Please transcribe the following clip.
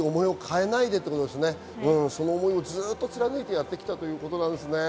その思いをずっと貫いてやってきたということなんですね。